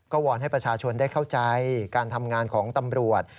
วอนให้ประชาชนได้เข้าใจการทำงานของตำรวจ